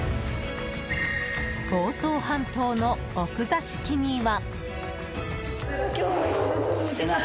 房総半島の奥座敷には。